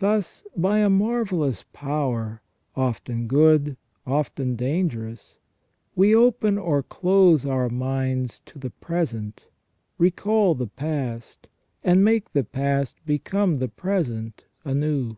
Thus by a marvellous power, often good, often dangerous, we open or close our minds to the present, recall the past, and make the past become the present anew.